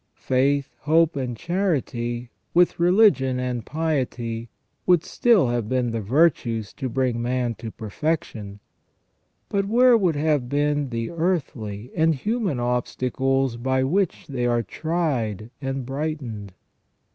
Faith, hope, and charity, with religion and piety, would still have been the virtues to bring man to perfection ; but where would have been the earthly and human obstacles by which they are tried and brightened?